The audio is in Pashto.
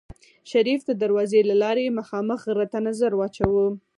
شريف د دروازې له لارې مخامخ غره ته نظر واچوه.